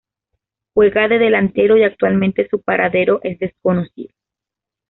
Juega de delantero y actualmente su paradero es desconocido.